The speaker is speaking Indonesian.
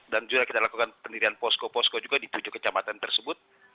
dan juga kita lakukan pendirian posko posko juga di tujuh kecamatan tersebut